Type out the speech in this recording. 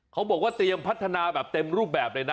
เขาบอกว่าเตรียมพัฒนาแบบเต็มรูปแบบเลยนะ